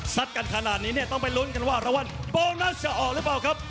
กันขนาดนี้เนี่ยต้องไปลุ้นกันว่ารางวัลโบนัสจะออกหรือเปล่าครับ